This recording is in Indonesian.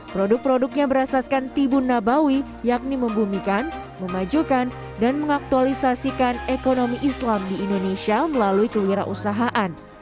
produk produknya berasaskan tibun nabawi yakni membumikan memajukan dan mengaktualisasikan ekonomi islam di indonesia melalui kewirausahaan